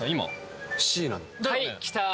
はいきた！